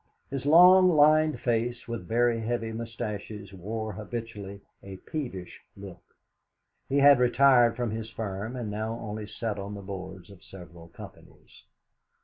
His long, lined face, with very heavy moustaches, wore habitually a peevish look. He had retired from his firm, and now only sat on the Boards of several companies.